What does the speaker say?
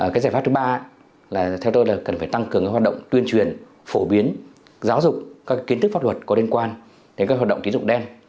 cái giải pháp thứ ba là theo tôi là cần phải tăng cường hoạt động tuyên truyền phổ biến giáo dục các kiến thức pháp luật có liên quan đến các hoạt động tín dụng đen